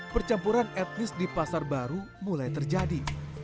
percampuran etnis di pasar baru mulai terjadi